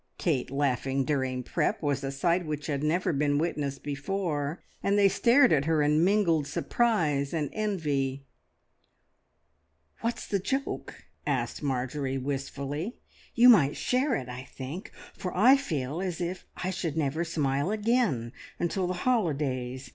Kate laughing during prep was a sight which had never been witnessed before, and they stared at her in mingled surprise and envy. "What's the joke?" asked Marjorie wistfully. "You might share it, I think, for I feel as if I should never smile again until the holidays.